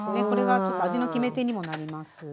これが味の決め手にもなります。